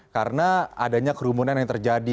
karena adanya kerumunan yang terjadi